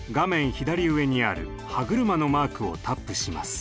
左上にある歯車のマークをタップします。